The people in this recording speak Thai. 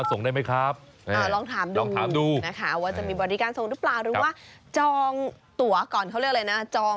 จองคนไปซั่งก่อน